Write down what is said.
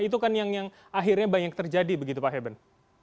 itu kan yang akhirnya banyak terjadi begitu pak heben